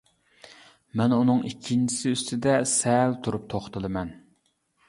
مەن ئۇنىڭ ئىككىنچىسى ئۈستىدە سەل تۇرۇپ توختىلىمەن.